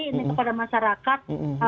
ini kepada masyarakat